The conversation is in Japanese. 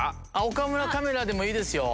岡村カメラでもいいですよ。